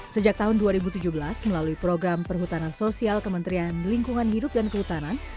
sejak tahun dua ribu tujuh belas melalui program perhutanan sosial kementerian lingkungan hidup dan kehutanan